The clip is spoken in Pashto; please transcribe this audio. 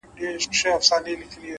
وخت د ارمانونو ریښتینولي ازموي’